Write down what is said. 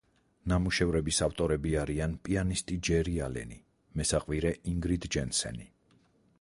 ნამუშევრების ავტორები არიან, პიანისტი ჯერი ალენი, მესაყვირე ინგრიდ ჯენსენი.